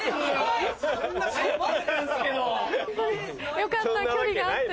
よかった距離があって。